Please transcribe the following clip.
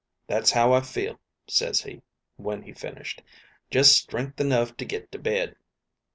That's how I feel,' ses he, when he'd finished. 'Just strength enough to get to bed.